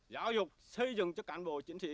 giáo dục xây dựng cho cán bộ chiến sĩ